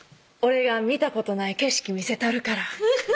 「俺が見たことない景色見せたるから」